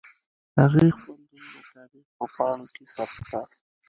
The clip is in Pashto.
هغې خپل نوم د تاریخ په پاڼو کې ثبت کړ